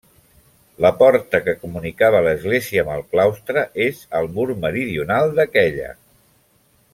La porta que comunicava l'església amb el claustre és al mur meridional d'aquella.